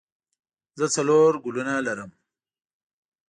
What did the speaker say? زه څلور ګلونه لرم.